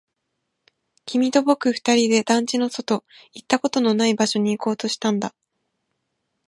君と僕二人で団地の外、行ったことのない場所に行こうとしたんだ